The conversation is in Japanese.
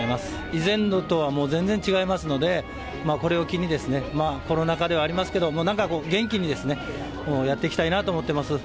以前のとは全然違いますので、これを機にですね、コロナ禍ではありますけど、なんかこう、元気にですね、やっていきたいなと思ってます。